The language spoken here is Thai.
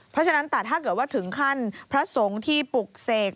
เพราะฉะนั้นแต่ถ้าเกิดว่าถึงขั้นพระสงฆ์ที่ปลุกเสก